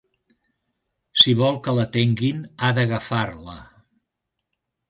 Si vol que l'atenguin, ha d'agafar la.